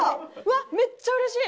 めっちゃうれしい！